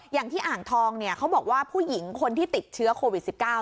อย่างที่อ่างทองเขาบอกว่าผู้หญิงคนที่ติดเชื้อโควิด๑๙